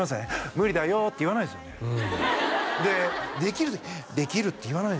「無理だよ」って言わないですよねでできる時「できる」って言わないんですよ